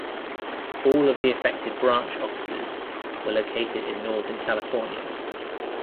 All of the affected branch offices were located in Northern California.